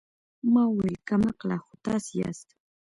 ما وويل کم عقله خو تاسې ياست.